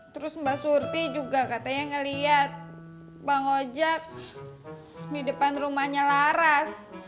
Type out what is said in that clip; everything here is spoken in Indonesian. terus mbak surti juga katanya ngeliat bang ojek di depan rumahnya laras